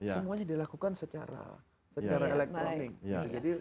semuanya dilakukan secara elektronik